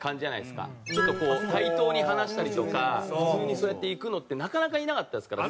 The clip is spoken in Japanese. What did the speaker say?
ちょっと対等に話したりとか普通にそうやっていくのってなかなかいなかったですから。